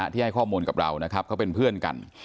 ที่ให้ข้อมูลกับเรานะครับเขาเป็นเพื่อนกัน